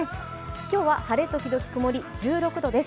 今日は晴れ時々曇り、１６度です。